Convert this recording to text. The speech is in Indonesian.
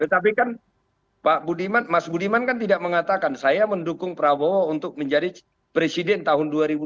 tetapi kan mas budiman kan tidak mengatakan saya mendukung prabowo untuk menjadi presiden tahun dua ribu dua puluh